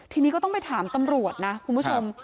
ทีนี้ก็ต้องไปถามตำรวจนะคุณผู้ชม